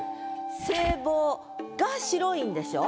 制帽が白いんでしょ？